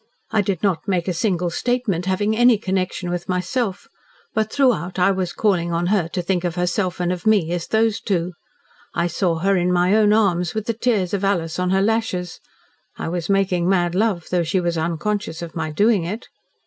I did not make a single statement having any connection with myself, but throughout I was calling on her to think of herself and of me as of those two. I saw her in my own arms, with the tears of Alys on her lashes. I was making mad love, though she was unconscious of my doing it."